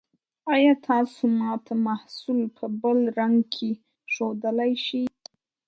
ایا تاسو ما ته محصول په بل رنګ کې ښودلی شئ؟